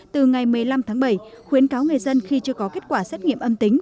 từ ngày một mươi năm tháng bảy khuyến cáo người dân khi chưa có kết quả xét nghiệm âm tính